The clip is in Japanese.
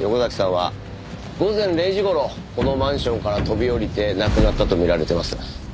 横崎さんは午前０時頃このマンションから飛び降りて亡くなったとみられてます。